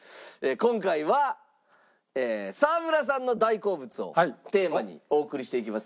今回は沢村さんの大好物をテーマにお送りしていきます。